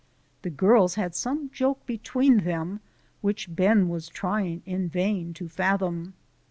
The girls had some joke between them which Ben was trying in vain to fathom.